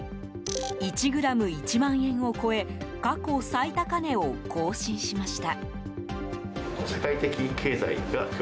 １ｇ＝１万円を超え過去最高値を更新しました。